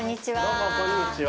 どうも、こんにちは。